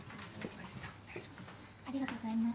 ありがとうございます。